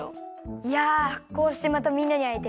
いやこうしてまたみんなにあえてうれしいよ。